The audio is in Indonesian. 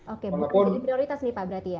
oke bukan prioritas ini pak berarti ya